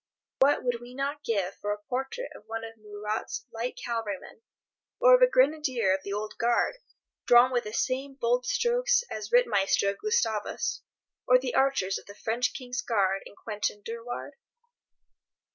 What would we not give for a portrait of one of Murat's light cavalrymen, or of a Grenadier of the Old Guard, drawn with the same bold strokes as the Rittmeister of Gustavus or the archers of the French King's Guard in "Quentin Durward"?